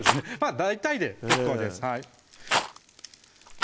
大体で結構です